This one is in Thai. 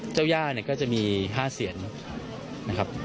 เจ้าหญ้าก็จะมี๕เสียรนะครับ